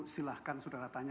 silahkan sudara tanya